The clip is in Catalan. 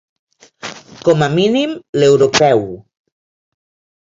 Com a mínim, l’europeu.